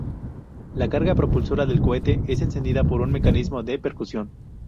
La carga propulsora del cohete es encendida por un mecanismo de percusión.